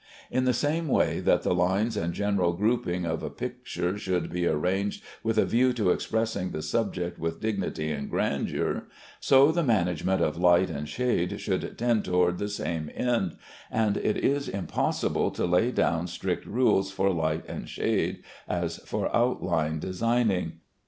In the same way that the lines and general grouping of a picture should be arranged with a view to expressing the subject with dignity and grandeur, so the management of light and shade should tend toward the same end, and it is as impossible to lay down strict rules for light and shade as for outline designing.